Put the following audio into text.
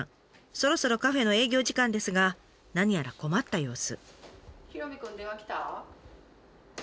そろそろカフェの営業時間ですが何やら困った様子。